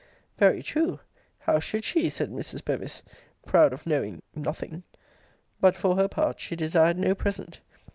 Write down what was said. Very true: How should she? said Mrs. Bevis, proud of knowing nothing! But, for her part, she desired no present.